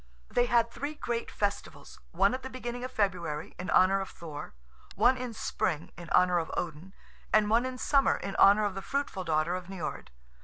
They had three great festivals, one at the beginning of February, in honour of Thor, one in Spring, in honour of Odin, and one in Summer, in honour of the fruitful daughter of Niord.